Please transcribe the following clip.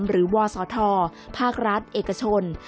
หรือว่าสทภาครัฐเอกชน